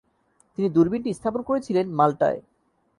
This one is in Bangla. তিনি দূরবীনটি স্থাপন করেছিলেন মালটায়।